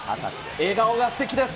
笑顔がすてきです。